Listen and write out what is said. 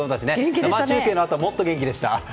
生中継のあとはもっと元気でした。